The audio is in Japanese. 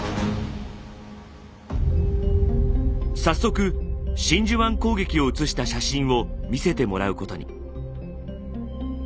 早速真珠湾攻撃を写した写真を見せてもらうことに。